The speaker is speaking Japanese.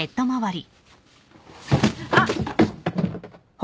あっ。